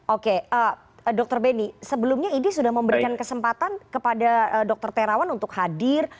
oke dr beni sebelumnya idi sudah memberikan kesempatan kepada dokter terawan untuk hadir